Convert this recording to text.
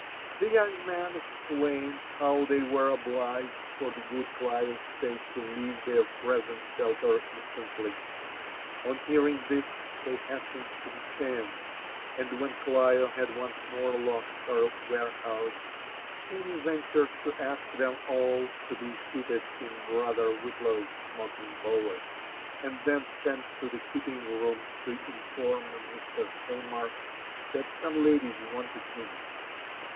The young man explained how they were obUged for the good Clio's sake to leave their present shelter instantly. On hearing this, they hastened to descend ; and when Clio had once more locked her ware house, she ventured to ask them alt to be seated in brother Wbiflaw's smoking'bower, and then sent to the keeping room to inform Mr. Steinmark that some ladies wanted him.